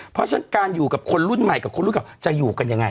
เพราะฉะนั้นการอยู่กับคนรุ่นใหม่ควรมีรวมว่าอยู่กันยังไง